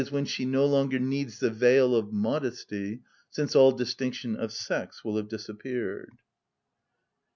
_, when she no longer needs the veil of modesty, since all distinction of sex will have disappeared.